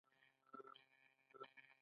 دا به بیا یوه غوغاشی، لکه څاڅکی په څپو کی